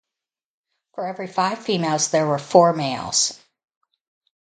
For every five females there were four males.